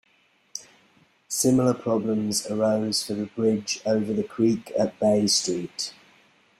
Similar problems arose for the bridge over the creek at Bay Street.